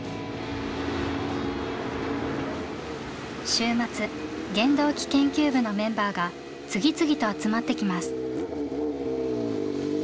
週末原動機研究部のメンバーが次々と集まってきます。